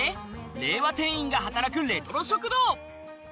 令和店員が働くレトロ食堂。